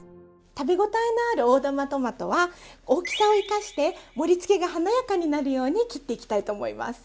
食べごたえのある大玉トマトは大きさを生かして盛りつけが華やかになるように切っていきたいと思います。